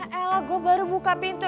ya ella gua baru buka pintu